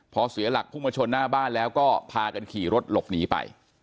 พอเสียหลักพุ่งมาชนหน้าบ้านแล้วก็พากันขี่รถหลบหนีไป